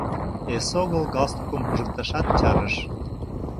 Эсогыл галстукым пижыкташат чарыш.